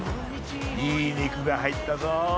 いい肉が入ったぞ。